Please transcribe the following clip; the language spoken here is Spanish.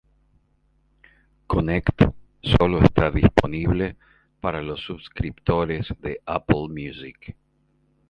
Connect solo está disponible para los subscriptores de Apple Music.